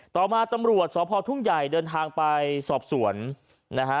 ต่อมาตำรวจสพทุ่งใหญ่เดินทางไปสอบสวนนะฮะ